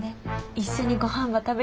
一緒にごはんば食べようで。